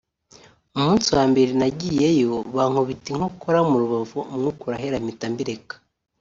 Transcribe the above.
umunsi wa mbere nayigiyemo bankubita inkokora mu rubavu umwuka urahera mpita mbireka